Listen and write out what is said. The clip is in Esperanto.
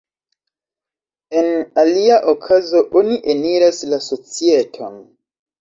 En alia okazo oni eniras la societon.